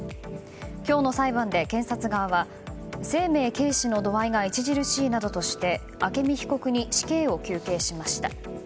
今日の裁判で検察側は生命軽視の度合いが著しいなどとして朱美被告に死刑を求刑しました。